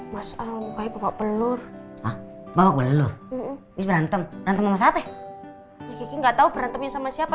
mas al mukanya bawa pelur bawa pelur berantem berantem sama siapa enggak tahu berantem sama siapa